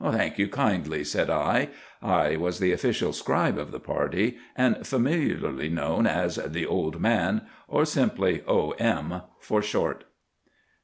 "Thank you kindly," said I. I was the official scribe of the party, and familiarly known as the Old Man, or simply O. M., for short.